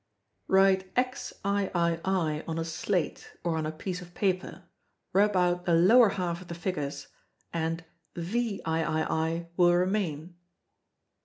Write XIII on a slate, or on a piece of paper rub out the lower half of the figures, and VIII will remain.